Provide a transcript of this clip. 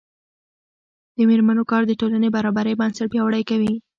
د میرمنو کار د ټولنې برابرۍ بنسټ پیاوړی کوي.